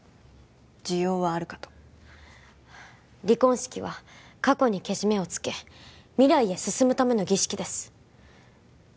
需要はあるかと離婚式は過去にけじめをつけ未来へ進むための儀式です